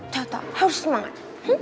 tata harus semangat